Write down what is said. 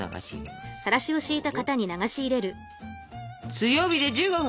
強火で１５分！